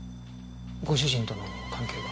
ご主人との関係は？